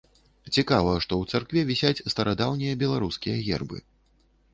Цікава, што ў царкве вісяць старадаўнія беларускія гербы.